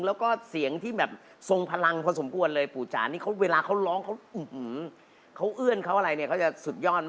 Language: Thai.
แล้วก็เสียงที่แบบส่งพลังพอสมควรเลย